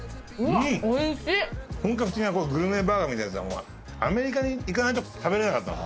本格的なグルメバーガーみたいなやつはアメリカに行かないと食べれなかったの。